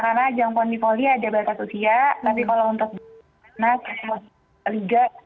karena ajang pon di poli ada berat usia